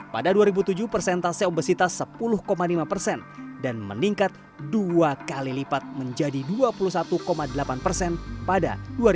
pada dua ribu tujuh persentase obesitas sepuluh lima persen dan meningkat dua kali lipat menjadi dua puluh satu delapan persen pada dua ribu dua puluh